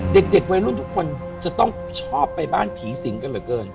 เด็กวัยรุ่นทุกคนจะต้องชอบไปบ้านผีสิงกันเหลือเกิน